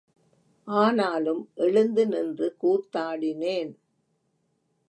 ஆனாலும் எழுந்து நின்று கூத்தாடினேன்.